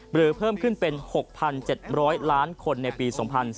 หรือเพิ่มขึ้นเป็น๖๗๐๐ล้านคนในปี๒๔